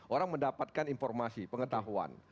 orang mendapatkan informasi pengetahuan